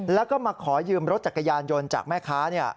แล้วก็มาขอยืมรถจักรยานยนต์จากแม่ค้า